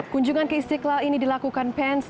kunjungan keistiklal ini dilakukan pence